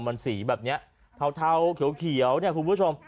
มันสีแบบนี้เทาเขียวเนี่ยคุณผู้ชม